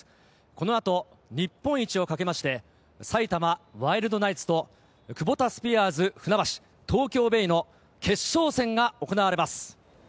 この後、日本一をかけまして、埼玉ワイルドナイツとクボタスピアーズ船橋・東京ベイの決勝戦が行われます。